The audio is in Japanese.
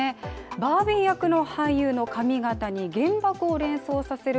バービー役の俳優の髪形に原爆を連想させる